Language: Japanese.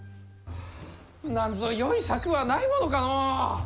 何ぞよい策はないものかのう！